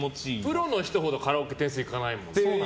プロの人ほどカラオケ点数、行かないもんね。